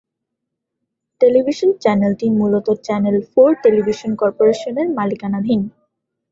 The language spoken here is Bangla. টেলিভিশন চ্যানেলটি মূলত চ্যানেল ফোর টেলিভিশন কর্পোরেশনের মালিকানাধীন।